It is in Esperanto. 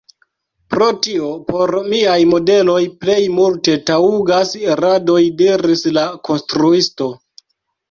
Pro tio por miaj modeloj plej multe taŭgas radoj, diris la konstruisto.